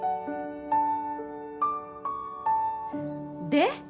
で？